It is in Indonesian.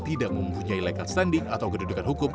tidak mempunyai legal standing atau kedudukan hukum